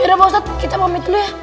yaudah pak ustaz kita pamit dulu ya